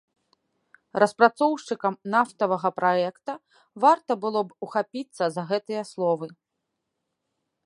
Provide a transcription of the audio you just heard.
Распрацоўшчыкам нафтавага праекта варта было б ухапіцца за гэтыя словы.